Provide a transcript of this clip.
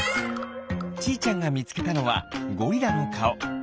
ちーちゃんがみつけたのはゴリラのかお。